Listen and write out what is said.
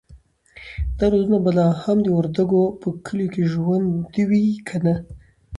دا دودونه به لا هم د وردګو په کلیو کې ژوندی وي که نه؟